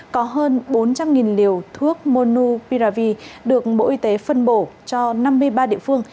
có hơn bốn trăm linh liều thuốc monu piravi được bộ y tế phân bổ cho năm mươi ba địa phương